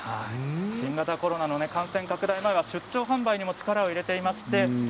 新型コロナ感染拡大の前には出張販売にも力を入れていました。